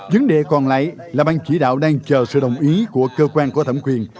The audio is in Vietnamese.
vấn đề còn lại là bang chỉ đạo đang chờ sự đồng ý của cơ quan của thẩm quyền